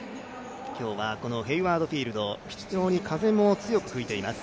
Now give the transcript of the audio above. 今日はヘイワード・フィールド、非常に風も強く吹いています。